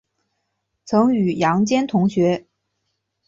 曾与杨坚同学。